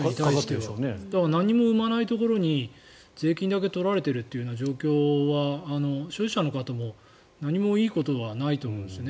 何も生まないところに税金だけ取られている状況は所有者の方も何もいいことはないと思うんですね。